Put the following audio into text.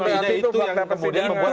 tapi bukan di arti itu fakta persidangan